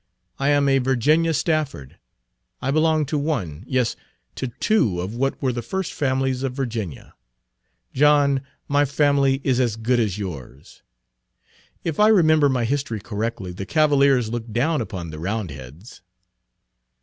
I am a Virginia Stafford. I belong to one, yes, to two of what were the first families of Virginia. John, my family is as good as yours. If I remember my history correctly, the Cavaliers looked down upon the Roundheads."